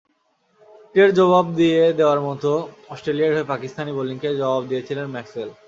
ইটের জবাব পাথর দিয়ে দেওয়ার মতো অস্ট্রেলিয়ার হয়ে পাকিস্তানি বোলিংকে জবাব দিচ্ছিলেন ম্যাক্সওয়েল।